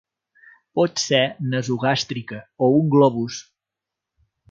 Pot ser nasogàstrica o un globus.